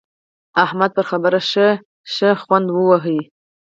احمد پر خبره ښه شخوند وواهه.